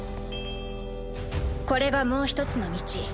これがもう１つの道。